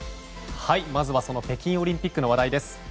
まずは北京オリンピックの話題です。